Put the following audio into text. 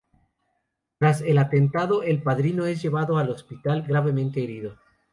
Tras el atentado, el Padrino es llevado al hospital, gravemente herido.